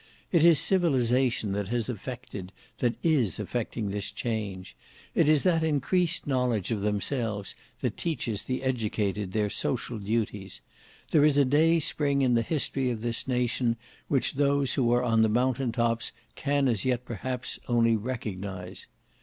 It is civilisation that has effected, that is effecting this change. It is that increased knowledge of themselves that teaches the educated their social duties. There is a dayspring in the history of this nation which those who are on the mountain tops can as yet perhaps only recognize.